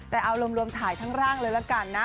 แต่เอารวมถ่ายทั้งร่างเลยละกันนะ